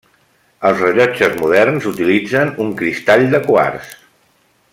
Els rellotges moderns utilitzen un cristall de quars.